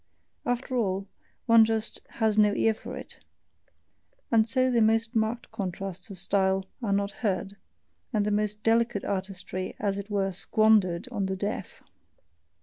After all, one just "has no ear for it"; and so the most marked contrasts of style are not heard, and the most delicate artistry is as it were SQUANDERED on the deaf.